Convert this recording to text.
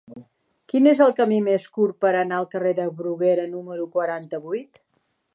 Quin és el camí més curt per anar al carrer de Bruguera número quaranta-vuit?